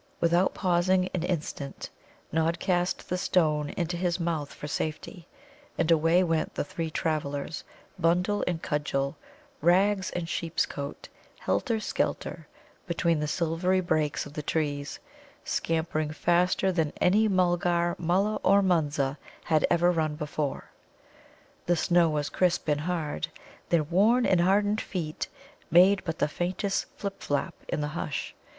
Without pausing an instant, Nod cast the stone into his mouth for safety, and away went the three travellers, bundle and cudgel, rags and sheep's coat, helter skelter, between the silvery breaks of the trees, scampering faster than any Mulgar, Mulla, or Munza had ever run before. The snow was crisp and hard; their worn and hardened feet made but the faintest flip flap in the hush.